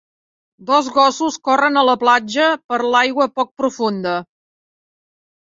Dos gossos corren a la platja per l'aigua poc profunda.